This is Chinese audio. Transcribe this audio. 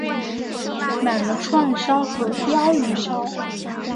买了串烧和鲷鱼烧